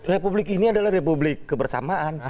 republik ini adalah republik kebersamaan